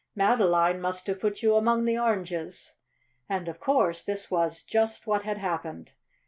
"Madeline must have put you among the oranges." And, of course, this was just what had happened.